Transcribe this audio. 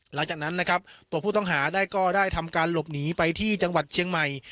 หลังจากนั้นนะครับตัวผู้ต้องหาได้ก็ได้ทำการหลบหนีไปที่จังหวัดเชียงใหม่